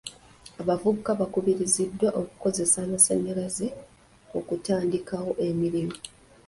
Abavubuka bakubiriziddwa okukozesa amasannyalaze okutandikawo emirimu.